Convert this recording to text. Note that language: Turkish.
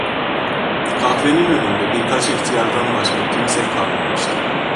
Kahvenin önünde birkaç ihtiyardan başka kimse kalmamıştı.